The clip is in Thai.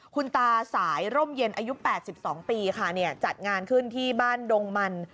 คุณตาสายร่มเย็นอายุ๘๒ปีค่ะจัดงานขึ้นที่บ้านดงมัน